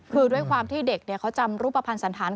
คือด้วยความที่เด็กเขาจำรูปภัณฑ์สันธาร